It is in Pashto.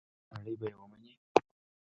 آیا نړۍ به یې ومني؟